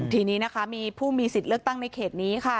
ทีนี้นะคะมีผู้มีสิทธิ์เลือกตั้งในเขตนี้ค่ะ